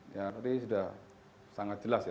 ya tadi sudah sangat jelas ya